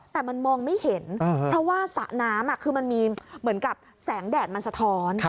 แต่มันมองไม่เห็นเพราะว่าสระน้ำคือมันมีเหมือนกับแสงแดดมันสะท้อน